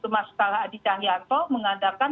mas kala adi cahyanto mengadakan